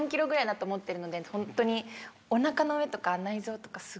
ホントに。